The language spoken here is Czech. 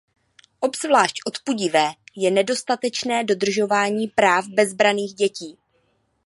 Obzvlášť odpudivé je nedostatečné dodržování práv bezbranných dětí.